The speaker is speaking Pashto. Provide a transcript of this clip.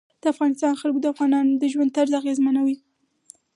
د افغانستان جلکو د افغانانو د ژوند طرز اغېزمنوي.